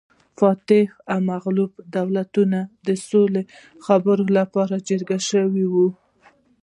فاتح او مغلوب دولتونه د سولې خبرو لپاره جرګه شوي وو